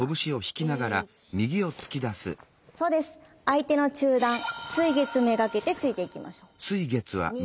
相手の中段水月目がけて突いていきましょう。